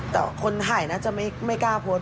แต่คนถ่ายน่าจะไม่กล้าโพสต์